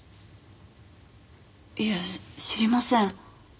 いえ知りません。